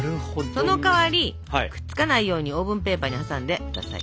そのかわりくっつかないようにオーブンペーパーにはさんで下さい。